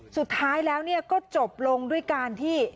สุดท้ายแล้วก็จบลงด้วยการที่